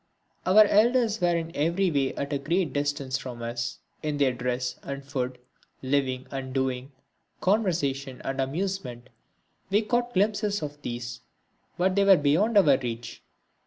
Our elders were in every way at a great distance from us, in their dress and food, living and doing, conversation and amusement. We caught glimpses of these, but they were beyond our reach.